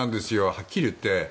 はっきり言って。